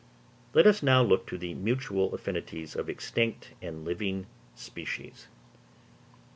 _ Let us now look to the mutual affinities of extinct and living species.